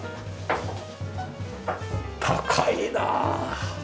高いなあ。